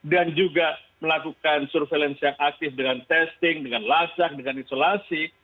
dan juga melakukan surveillance yang aktif dengan testing dengan lasak dengan isolasi